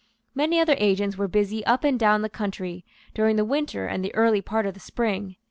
Many other agents were busy up and down the country, during the winter and the early part of the spring.